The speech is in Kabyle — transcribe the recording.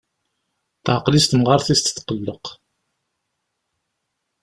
Teɛqel-itt temɣart-is tetqelleq.